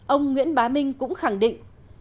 ông nguyễn bá minh cũng khẳng định